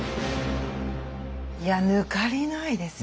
いや抜かりないですよね。